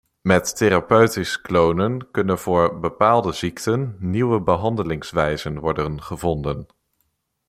Met therapeutisch klonen kunnen voor bepaalde ziekten nieuwe behandelingswijzen worden gevonden.